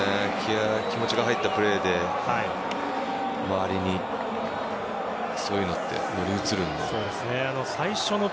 気持ちが入ったプレーで周りにそういうのって乗り移るので。